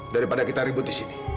daripada kita ribut di sini